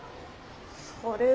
それは。